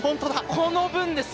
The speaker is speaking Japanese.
この分です。